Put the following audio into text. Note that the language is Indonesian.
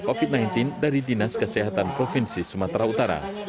covid sembilan belas dari dinas kesehatan provinsi sumatera utara